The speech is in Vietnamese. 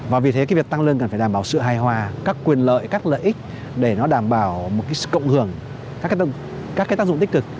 và vì thế cái việc tăng lên cần phải đảm bảo sự hài hòa các quyền lợi các lợi ích để nó đảm bảo một cái cộng hưởng các cái tác dụng tích cực